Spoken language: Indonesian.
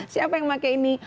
siapa yang pakai ini